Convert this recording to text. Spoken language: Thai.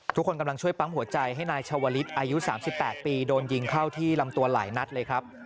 กำลังช่วยปั๊มหัวใจให้นายชาวลิศอายุ๓๘ปีโดนยิงเข้าที่ลำตัวหลายนัดเลยครับ